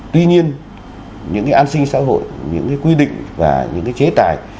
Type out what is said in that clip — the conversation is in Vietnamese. tuy nhiên những cái an sinh xã hội những quy định và những cái chế tài